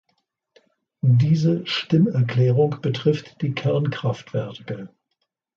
Diese Stimmerklärung betrifft die Kernkraftwerke.